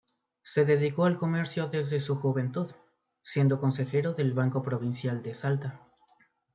Se dedicó al comercio desde su juventud, siendo consejero del Banco Provincial de Salta.